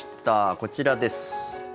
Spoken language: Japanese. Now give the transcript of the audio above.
こちらです。